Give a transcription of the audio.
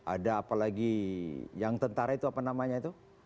ada apalagi yang tentara itu apa namanya itu